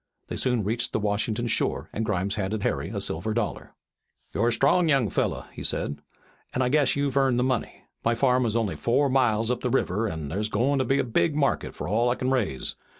They soon reached the Washington shore, and Grimes handed Harry a silver dollar. "You're a strong young fellow," he said, "an' I guess you've earned the money. My farm is only four miles up the river an' thar's goin' to be a big market for all I kin raise.